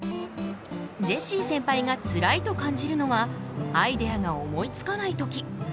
ジェシーセンパイがつらいと感じるのはアイデアが思いつかないとき。